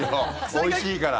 おいしいから。